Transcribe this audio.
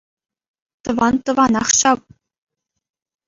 Тӑван тӑванах ҫав.